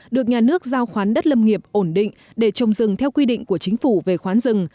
được nhà nước giao khoán đất lâm nghiệp ổn định để trồng rừng theo quy định của chính phủ về khoán rừng